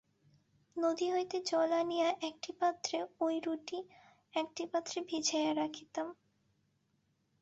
নদী হইতে জল আনিয়া একটি পাত্রে ঐ রুটি একটি পাত্রে ভিজাইয়া রাখিতাম।